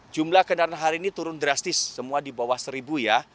jumlah kendaraan hari ini turun drastis semua di bawah seribu ya